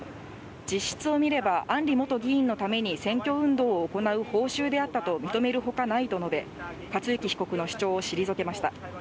実質を見れば、案里元議員のために選挙運動を行う報酬であったと認めるほかないと述べ、克行被告の主張を退けました。